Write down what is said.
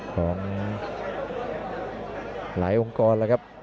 ของหลายองค์กรนะครับ